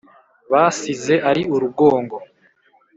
basize ari urugongo,